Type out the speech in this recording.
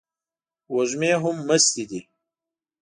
وږمې هم مستې دي